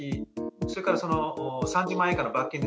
それから３０万円以下の罰金。